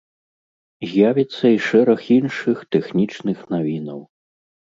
З'явіцца і шэраг іншых тэхнічных навінаў.